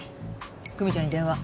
久実ちゃんに電話。